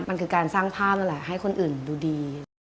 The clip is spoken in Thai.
มันคือการสร้างภาพให้คนอื่นดูดี